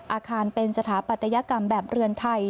อาคารเป็นสถาปัตยกรรมแบบเรือนไทย